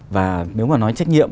và nếu mà nói trách nhiệm